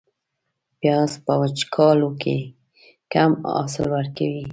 پیاز په وچکالو کې کم حاصل ورکوي